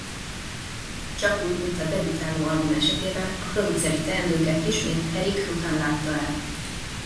Csakúgy mint a debütáló album esetében a produceri teendőket ismét Erik Rutan látta el.